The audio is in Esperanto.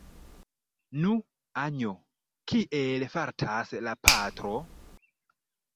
Nu, Anjo, kiel fartas la patro?